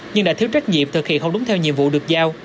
nhưng đã thiếu trách nhiệm thực hiện không đúng theo nhiệm vụ được giao